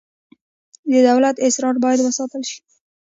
د دولت اسرار باید وساتل شي